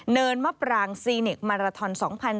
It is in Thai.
เนินมะปรางซีเนกมาราทอน๒๐๑๘